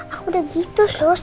aku udah gitu sus